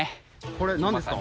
これなんですか？